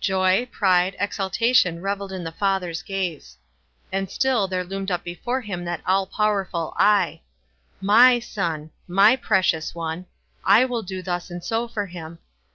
Joy, pride, exulta tion reveled in the father's gaze ; and still there loomed up before him that all powerful "I." "My son," my precious one, /will do thus and so for him.